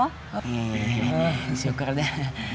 oh syukur dah